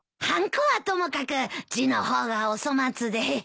はんこはともかく字の方がお粗末で。